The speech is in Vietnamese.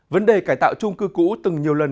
vấn đề cải tạo trung cư cũ từng nhiều lần